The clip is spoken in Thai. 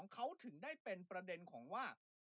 เขาถึงได้เป็นประเด็นของว่า